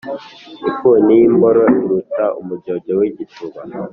Ifuni y’imboro iruta umujyojyo w’igituba.